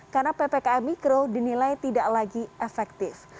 karena ppkm mikro dinilai tidak lagi efektif